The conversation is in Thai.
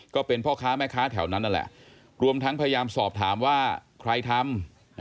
ก็เป็นพ่อค้าแม่ค้าแถวนั้นนั่นแหละรวมทั้งพยายามสอบถามว่าใครทำ